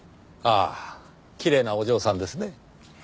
ああきれいなお嬢さんですね。